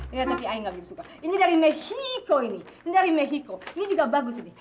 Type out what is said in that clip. ini tapi i gak begitu suka ini dari mexico ini ini dari mexico ini juga bagus nih